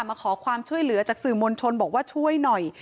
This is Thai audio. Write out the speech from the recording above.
มาขอความช่วยเหลือจากสื่อมวลชนบอกว่าช่วยหน่อย